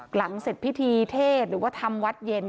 หลังเสร็จพิธีเทศหรือว่าทำวัดเย็น